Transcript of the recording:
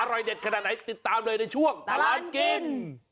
อร่อยเด็ดขนาดไหนติดตามเลยในช่วงตลอดกิน